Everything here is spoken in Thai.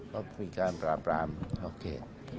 ก็มีการปราบปรามโอเค